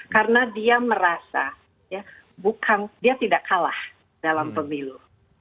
karena dia merasa ya bukan dia tidak kalah dalam pemilu